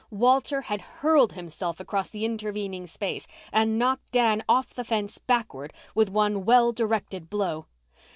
Walter had hurled himself across the intervening space and knocked Dan off the fence backward with one well directed blow.